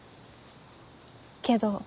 けど。